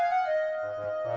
gak ada apa apa